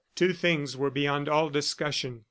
Two things were beyond all discussion.